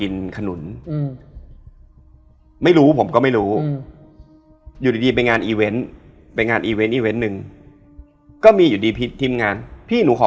นโมตัสะพระควาโต